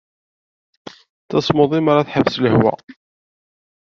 D tasmuḍi mi ara teḥbes lehwa.